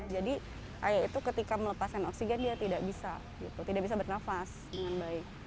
jadi ayahnya ketika melepaskan oksigen dia tidak bisa tidak bisa bernafas dengan baik